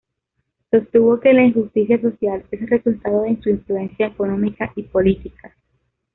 Sostuvo que la injusticia social es resultado de su influencia económica y política.